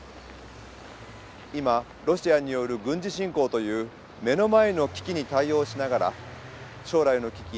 今ロシアによる軍事侵攻という目の前の危機に対応しながら将来の危機